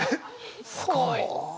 すごい。